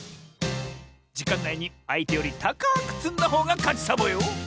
じかんないにあいてよりたかくつんだほうがかちサボよ！